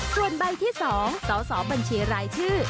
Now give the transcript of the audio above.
ส่วนใบที่๒สสบัญชีรายชื่อ